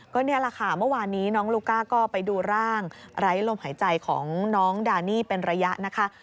ก็นี่แหละค่ะเมื่อวานนี้น้องลูก้าก็ไปดูร่างไร้ลมหายใจของน้องดานี่เป็นระยะนะคะ